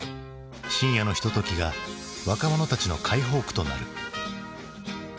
深夜のひとときが若者たちの解放区となる。